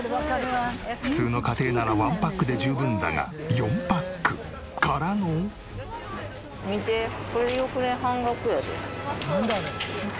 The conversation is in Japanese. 普通の家庭ならワンパックで十分だが４パックからの。見て半額。